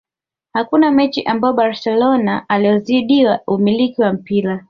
hakuna mechi ambayo barcelona aliyozidiwa umiliki wa mpira